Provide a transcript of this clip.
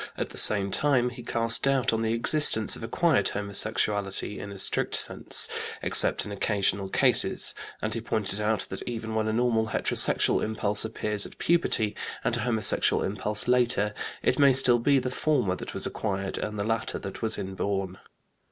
At the same time he cast doubt on the existence of acquired homosexuality, in a strict sense, except in occasional cases, and he pointed out that even when a normal heterosexual impulse appears at puberty, and a homosexual impulse later, it may still be the former that was acquired and the latter that was inborn.